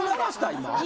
今。